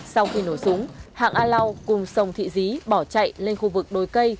sau khi nổ súng hạng a lau cùng sông thị dí bỏ chạy lên khu vực đồi cây